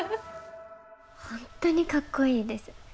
本当にかっこいいです。